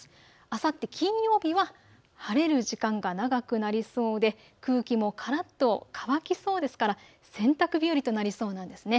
あさって金曜日は晴れる時間が長くなりそうで空気もからっと乾きそうですから洗濯日和となりそうなんですね。